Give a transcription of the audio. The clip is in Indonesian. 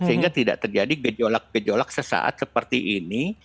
sehingga tidak terjadi gejolak gejolak sesaat seperti ini